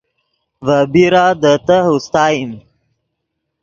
ڤے بیرا دے تہہ اوستائیم